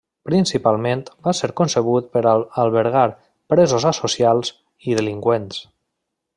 Principalment va ser concebut per a albergar presos asocials i delinqüents.